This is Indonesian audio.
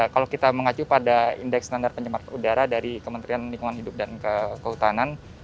kalau kita mengacu pada indeks standar pencemaran udara dari kementerian lingkungan hidup dan kehutanan